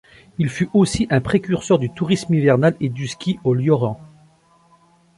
Il fut aussi un précurseur du tourisme hivernal et du ski au Lioran.